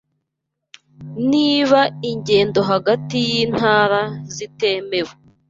niba ingendo hagati y'intara zitemewe